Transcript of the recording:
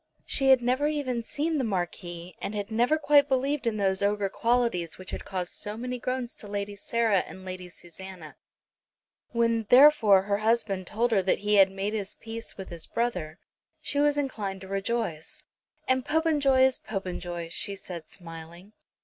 She had never even seen the Marquis, and had never quite believed in those ogre qualities which had caused so many groans to Lady Sarah and Lady Susanna. When, therefore, her husband told her that he had made his peace with his brother she was inclined to rejoice. "And Popenjoy is Popenjoy," she said smiling.